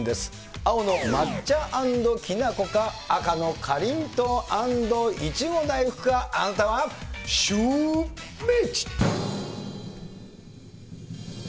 青の抹茶＆きな粉か、赤のかりんとう＆苺大福か、あなたはシューＷｈｉｃｈ？